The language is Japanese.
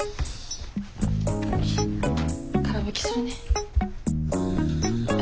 から拭きするね。